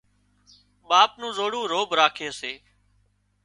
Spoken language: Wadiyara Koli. ٻاپ نُون زوڙون روڀ راکي سي